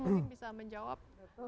mungkin bisa menjawab